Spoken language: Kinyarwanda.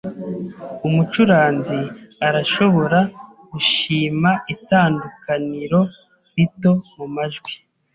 Umucuranzi arashobora gushima itandukaniro rito mumajwi.